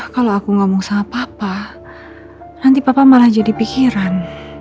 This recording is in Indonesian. kalau aku ngomong sama papa nanti papa malah jadi pikiran